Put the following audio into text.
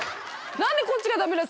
何でこっちがダメで